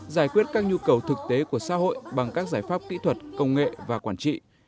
giải quyết các nhu cầu thực tế của xã hội bằng các giải pháp kỹ thuật công nghệ và quản trị